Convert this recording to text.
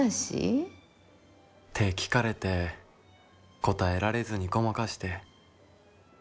「って聞かれて答えられずにごまかして。